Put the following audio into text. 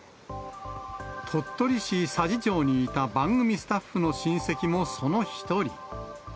鳥取市佐治町にいた番組スタッフの親戚もその１人。